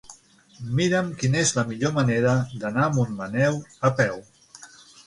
Mira'm quina és la millor manera d'anar a Montmaneu a peu.